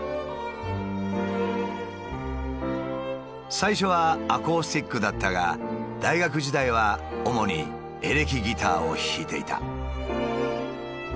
「最初はアコースティックだったが大学時代は主にエレキギターを弾いていた」。